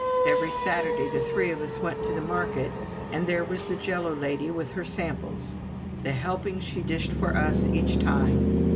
Every Saturday the three of us went to the market, and there was the Jello lady with her samples. The helpings she dished for us each time!